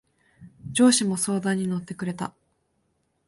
上司も相談に乗ってくれた。